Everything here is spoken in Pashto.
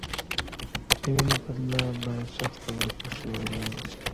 د وینې بدله باید شخص ته ورکړل شوې وای.